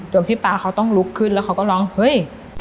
พี่ป๊าเขาต้องลุกขึ้นแล้วเขาก็ร้องเฮ้ย